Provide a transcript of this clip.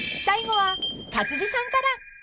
［最後は勝地さんから］